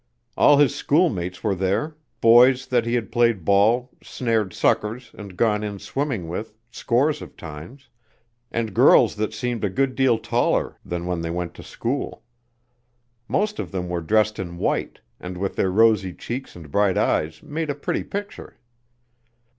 All his schoolmates were there boys that he had played ball, snared suckers, and gone in swimming with scores of times, and girls that seemed a good deal taller than when they went to school. Most of them were dressed in white, and with their rosy cheeks and bright eyes made a pretty picture.